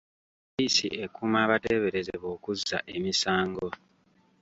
Poliisi ekuuma abateeberezebwa okuzza emisango.